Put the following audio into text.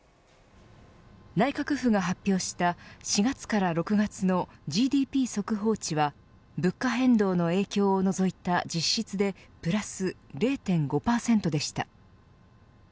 内閣府が発表した４月から６月のＧＤＰ速報値は物価変動の影響を除いた実質でプラス０．５％でした。